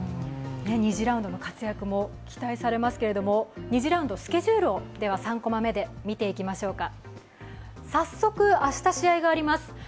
２次ラウンドの活躍も期待されますけれども、２次ラウンドスケジュールでは３コマ目で見ていきましょうか。